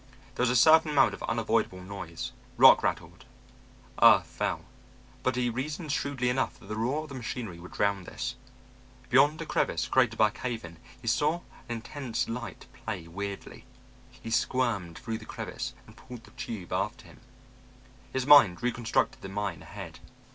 There was a certain amount of unavoidable noise; rock rattled, earth fell; but he reasoned shrewdly enough that the roar of the machinery would drown this. Beyond a crevice created by a cave in he saw an intense light play weirdly. He squirmed through the crevice and pulled the tube after him. His mind reconstructed the mine ahead.